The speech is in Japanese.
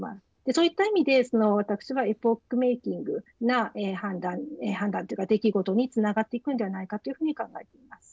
そういった意味で私はエポックメーキングな判断判断というか出来事につながっていくんではないかというふうに考えています。